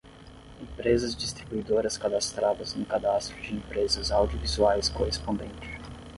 Empresas distribuidoras cadastradas no cadastro de empresas audiovisuais correspondente.